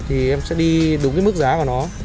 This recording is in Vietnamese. thì em sẽ đi đúng cái mức giá của nó